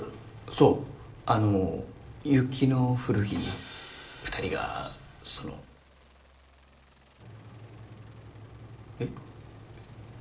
そうあの雪の降る日に二人がそのえっ？